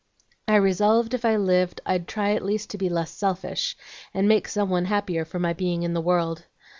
I resolved if I lived I'd try at least to be less selfish, and make some one happier for my being in the world.